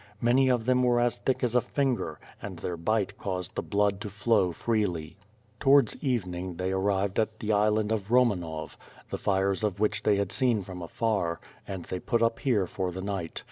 Many of them were as thick as a finger, and their bite caused the blood to flow freely. Towards evening, they arrived at the island of Romanov, the fires of which they had seen from afar, and they put up here for the night.